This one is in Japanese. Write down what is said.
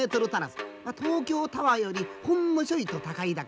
東京タワーよりほんのちょいと高いだけ。